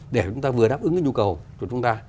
để chúng ta vừa đáp ứng cái nhu cầu của chúng ta